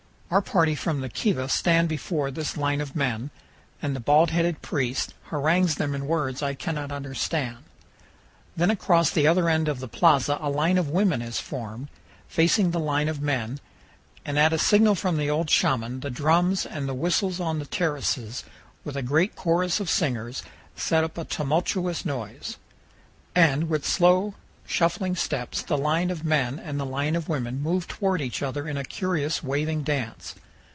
Our party from the kiva stand before this line of men, and the bald headed priest harangues them in words I cannot understand. Then across the other end of the plaza a line of women is formed, facing the line of men, and at a signal from the old Shaman the drums and the whistles on the terraces, with a great chorus of singers, set up a tumultuous noise, and with slow shuffling steps the line of men and the line of women move toward each other in a curious waving dance.